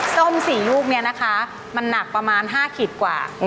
ส้ม๔ลูกนี้นะคะมันหนักประมาณ๕ขีดกว่า